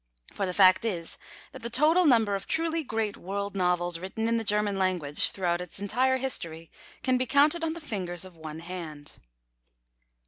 For the fact is, that the total number of truly great world novels written in the German language, throughout its entire history, can be counted on the fingers of one hand.